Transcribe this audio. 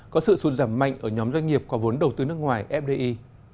có sự sụt giảm mạnh ở nhóm doanh nghiệp có vốn đầu tư nước ngoài fdi